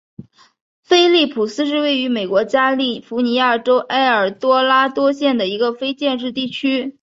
菲利普斯是位于美国加利福尼亚州埃尔多拉多县的一个非建制地区。